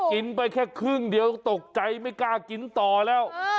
กินไปแค่ครึ่งเดียวตกใจไม่กล้ากินต่อแล้ว